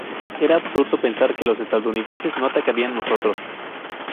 Era absurdo pensar que los estadounidenses no atacarían nosotros.